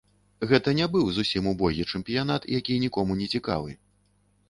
Гэта не быў зусім убогі чэмпіянат, які нікому не цікавы.